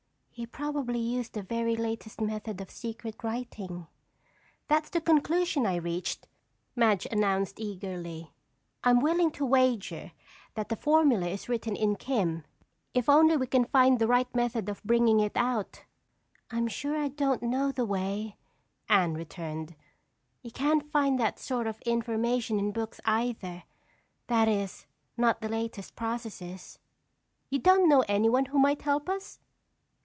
"He probably used the very latest method of secret writing." "That's the conclusion I reached," Madge announced eagerly. "I'm willing to wager that the formula is written in 'Kim' if only we can find the right method of bringing it out!" "I'm sure I don't know the way," Anne returned. "You can't find that sort of information in books either—that is, not the latest processes." "You don't know anyone who might help us?"